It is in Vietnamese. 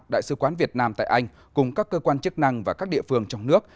đại sứ quán việt nam tại anh cùng các cơ quan chức năng và các địa phương trong nước